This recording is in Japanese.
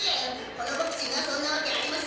このボクちんがそんなわけありません！